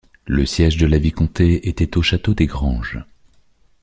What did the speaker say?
Le siège de la vicomté était au château des Granges.